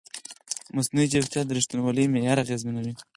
مصنوعي ځیرکتیا د ریښتینولۍ معیار اغېزمنوي.